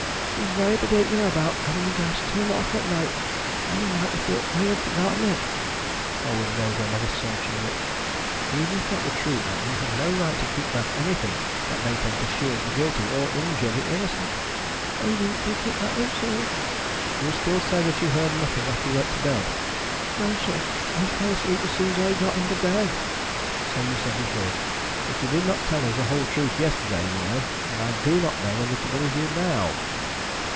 He's very particular about having the gas turned off at night, and he might have thought I had forgotten it." Colwyn gave her another searching look. "Even if that were true, Ann, you have no right to keep back anything that may tend to shield the guilty, or injure the innocent." "I didn't think it mattered, sir." "You still say that you heard nothing after you went to bed?" "No, sir. I fell asleep as soon as I got into bed." "So you said before, but you did not tell us the whole truth yesterday, you know, and I do not know whether to believe you now."